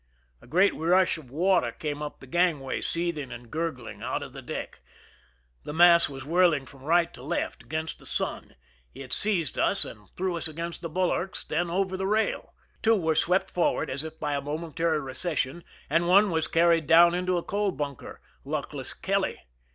A great rush of water came up the gangway, seething and gurgling out of the deck. The mass was whirling from right to left " against the sun "; it seized us and threw us against the bulwarks, then over the rail. Two were swept forward as if by a momentary recession, and one was carried down into a coal bunker— luckless Kelly.